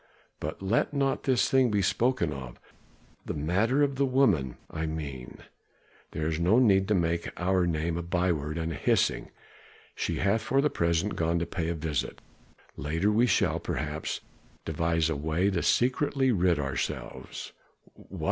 But let not this thing be spoken of the matter of the woman, I mean. There is no need to make our name a byword and a hissing; she hath for the present gone to pay a visit; later we shall, perhaps, devise a way to secretly rid ourselves " "What!"